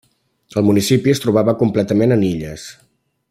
El municipi es trobava completament en illes.